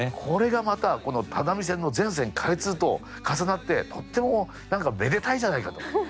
これがまたこの只見線の全線開通と重なってとっても何かめでたいじゃないかと。